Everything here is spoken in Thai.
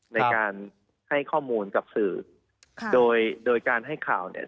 ในการให้ข้อมูลกับสื่อโดยโดยการให้ข่าวเนี่ย